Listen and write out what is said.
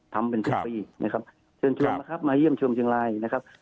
ทำเป็นทุกปีนะครับมาเยี่ยมชวมเชียงรายนะครับ